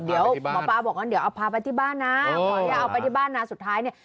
เดี๋ยวหมอปลาบอกว่าเดี๋ยวเอาพาไปที่บ้านนะขออนุญาตเอาไปที่บ้านนะสุดท้ายเนี่ย